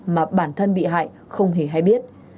mà bản thân bị hại không hề hay biết